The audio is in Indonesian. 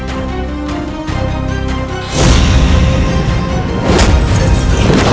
kau mau kemana